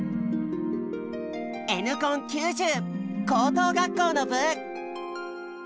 Ｎコン９０高等学校の部。